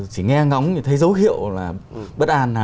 chỉ nghe ngóng thì thấy dấu hiệu là bất an